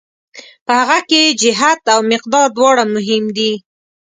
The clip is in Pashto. په هغه کې جهت او مقدار دواړه مهم دي.